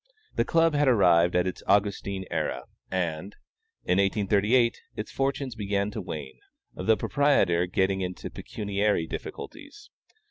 The Club had arrived at its Augustine era, and, in 1838, its fortunes began to wane; the proprietor getting into pecuniary difficulties.